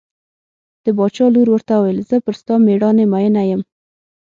د باچا لور ورته وویل زه پر ستا مېړانې مینه یم.